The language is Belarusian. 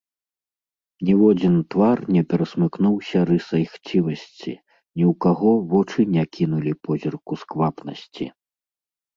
Ніводзін твар не перасмыкнуўся рысай хцівасці, ні ў каго вочы не кінулі позірку сквапнасці.